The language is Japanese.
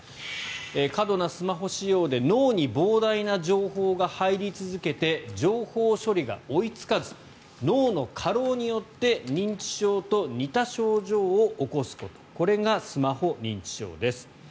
過度なスマホ使用で脳に膨大な情報が入り続けて情報処理が追いつかず脳の過労によって認知症と似た症状を起こすことこれがスマホ認知症です。